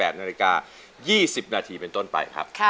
นาฬิกา๒๐นาทีเป็นต้นไปครับ